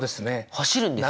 走るんですか？